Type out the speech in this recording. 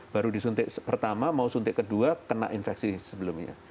baru disuntik pertama mau suntik kedua kena infeksi sebelumnya